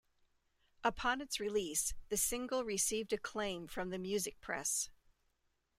Upon its release the single received acclaim from the music press.